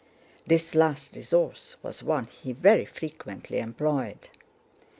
(This last resource was one he very frequently employed.)